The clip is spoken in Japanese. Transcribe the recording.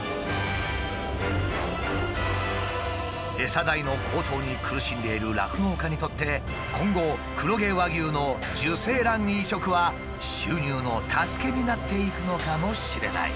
餌代の高騰に苦しんでいる酪農家にとって今後黒毛和牛の受精卵移植は収入の助けになっていくのかもしれない。